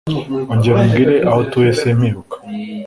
Ongera umbwire aho utuye simpibuka.